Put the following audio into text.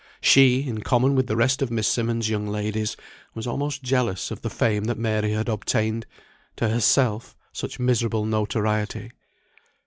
She, in common with the rest of Miss Simmonds' young ladies, was almost jealous of the fame that Mary had obtained; to herself, such miserable notoriety.